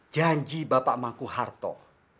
janji bapak mangku hartok